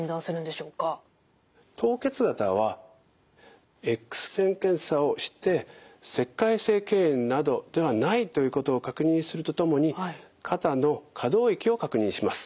凍結肩はＸ線検査をして石灰性けん炎などではないということを確認するとともに肩の可動域を確認します。